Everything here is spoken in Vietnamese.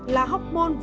là hốc môn vỏ